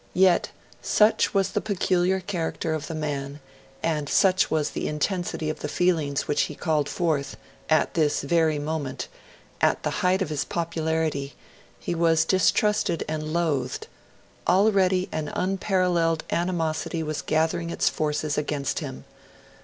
Yet such was the peculiar character of the man, and such was the intensity of the feelings which he called forth at this very moment, at the height of his popularity, he was distrusted and loathed; already an unparalleled animosity was gathering its forces against him.